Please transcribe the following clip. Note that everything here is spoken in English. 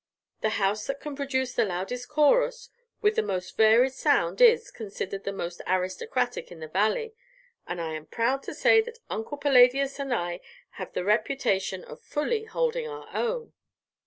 The house that can produce the loudest chorus, with the most varied sound, is considered the most aristocratic in the Valley, and I am proud to say that Uncle Palladius and I have the reputation of fully holding our own."